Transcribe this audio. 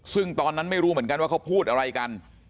ซึ่งตอนนั้นไม่รู้เหมือนกันว่าเขาพูดอะไรกัน